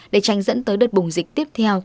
để tranh dẫn tới đợt bùng dịch tiếp theo